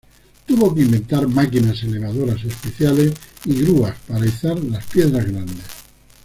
Tuvo que inventar máquinas elevadoras especiales y grúas para izar las piedras grandes.